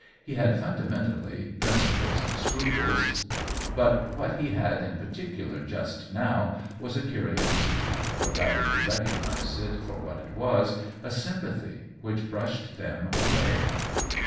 He had, fun damentally, principles and scruples, but what he had in particular just now was a curiosity, or rather, to recognize it for what it was, a sympathy, which brushed them away.